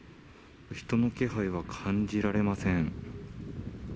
人の気配は感じられません。